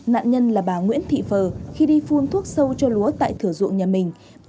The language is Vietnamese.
nạn nhân là bà nguyễn thị phờ khi đi phun thuốc sâu cho lúa tại thửa ruộng nhà mình